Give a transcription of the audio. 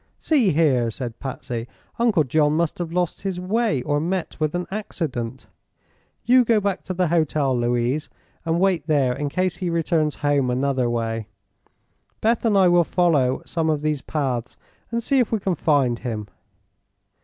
"See here," said Patsy; "Uncle John must have lost his way or met with an accident. You go back to the hotel, Louise, and wait there in case he returns home another way. Beth and I will follow some of these paths and see if we can find him."